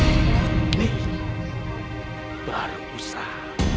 ini baru usah